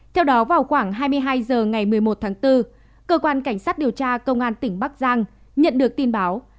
theo đó vào khoảng hai mươi hai h ngày một mươi một tháng bốn cơ quan cảnh sát điều tra công an tỉnh bắc giang nhận được tin báo